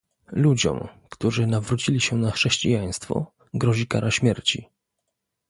Ludziom, którzy nawrócili się na chrześcijaństwo, grozi kara śmierci